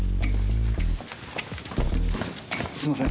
すいません。